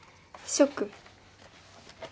ショック？